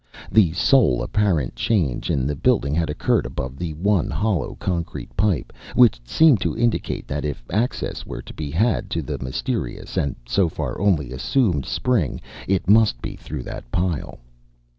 The sole apparent change in the building had occurred above the one hollow concrete pile, which seemed to indicate that if access were to be had to the mysterious, and so far only assumed spring, it must be through that pile.